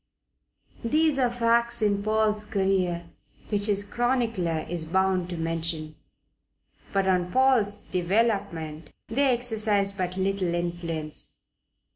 These are facts in Paul's career which his chronicler is bound to mention. But on Paul's development they exercised but little influence.